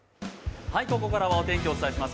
ここからはお天気をお伝えします。